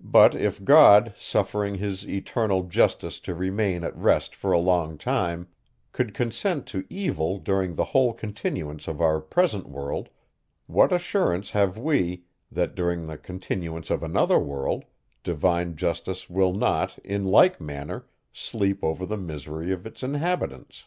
But if God, suffering his eternal justice to remain at rest for a long time, could consent to evil during the whole continuance of our present world, what assurance have we, that, during the continuance of another world, divine justice will not, in like manner, sleep over the misery of its inhabitants?